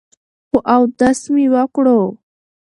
خو اودس مې وکړو ـ